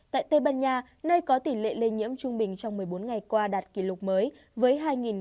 tại tây ban nha nơi có tỉ lệ lây nhiễm trung bình trong một mươi bốn ngày qua đạt kỷ lục mới